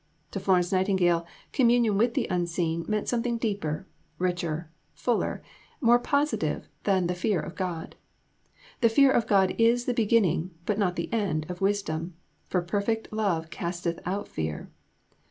To Florence Nightingale, communion with the Unseen meant something deeper, richer, fuller, more positive than the fear of God. The fear of God is the beginning, but not the end, of wisdom, for perfect love casteth out fear.